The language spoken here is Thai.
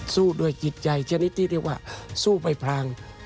สู้ด้วยจิตใจชนิดที่เรียกว่าสู้ไปพราง